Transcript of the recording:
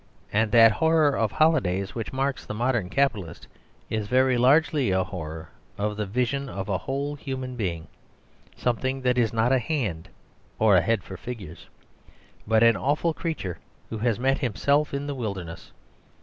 And that horror of holidays which marks the modern capitalist is very largely a horror of the vision of a whole human being: something that is not a "hand" or a "head for figures." But an awful creature who has met himself in the wilderness.